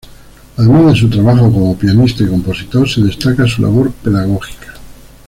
Además de su trabajo como pianista y compositor se destaca su labor pedagógica.